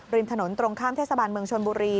ถนนตรงข้ามเทศบาลเมืองชนบุรี